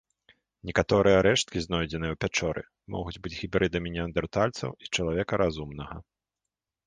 Некаторыя рэшткі, знойдзеныя ў пячоры, могуць быць гібрыдамі неандэртальцаў і чалавека разумнага.